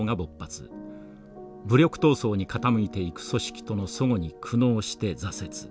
武力闘争に傾いていく組織との齟齬に苦悩して挫折。